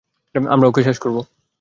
আমরা ওকে শেষ করবো।